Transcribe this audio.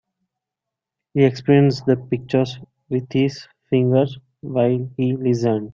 He experienced the pictures with his fingers while he listened.